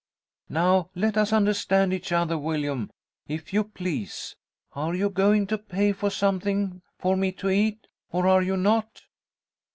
'Now, let us understand each other. Willyum, if you please, are you going to pay for something for me to eat, or are you not?'